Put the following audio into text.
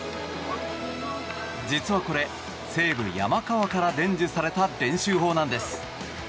実はこれ西武、山川から伝授された練習法なんです。